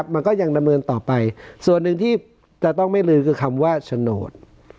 มันก็ยังดำเนินต่อไปส่วนหนึ่งที่จะต้องไม่ลือคือคำว่าโฉนด